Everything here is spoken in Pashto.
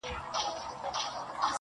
تور زهر دې د دوو سترگو له ښاره راوتلي_